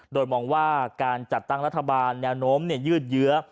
โดยมองว่าการจัดตั้งรัฐบาลแนวโน้มยืดเยื้อ